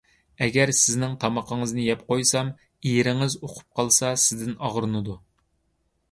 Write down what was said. ئەگەر سىزنىڭ تامىقىڭىزنى يەپ قويسام، ئېرىڭىز ئۇقۇپ قالسا سىزدىن ئاغرىنىدۇ.